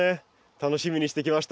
楽しみにしてきました。